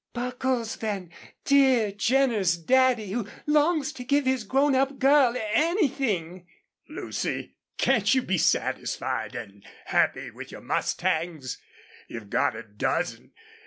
"Buckles, then, dear generous Daddy who longs to give his grown up girl ANYTHING!" "Lucy, can't you be satisfied an' happy with your mustangs? You've got a dozen.